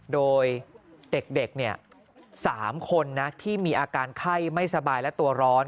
โดยเด็ก๓คนที่มีอาการไข้ไม่สบายและตัวร้อน